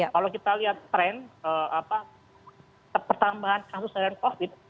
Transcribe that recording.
kalau kita lihat tren pertambahan kasus covid sembilan belas